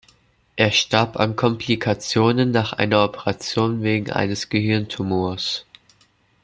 Er starb an Komplikationen nach einer Operation wegen eines Gehirntumors.